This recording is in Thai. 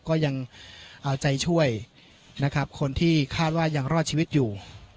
ก็ยังเอาใจช่วยนะครับคนที่คาดว่ายังรอดชีวิตอยู่